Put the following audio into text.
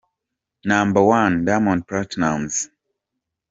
Number One – Diamond Platnumz.